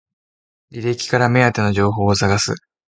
履歴から目当ての情報を探す